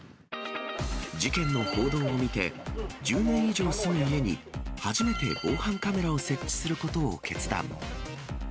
事件の報道を見て、１０年以上住む家に初めて防犯カメラを設置することを決断。